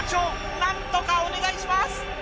なんとかお願いします！